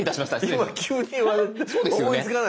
今急に言われて思いつかない。